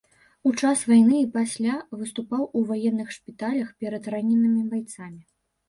У час вайны і пасля выступаў у ваенных шпіталях перад раненымі байцамі.